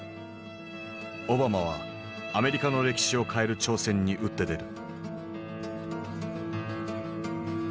オバマはアメリカの歴史を変える挑戦に打って出る。